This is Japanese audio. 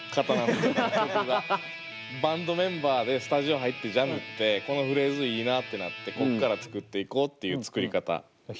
バンドメンバーでスタジオ入ってジャムってこのフレーズいいなってなってこっから作っていこうっていう作り方。